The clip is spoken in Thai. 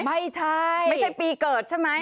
ไม่ใช่ไม่ใช่ปีเกิดใช่ไหม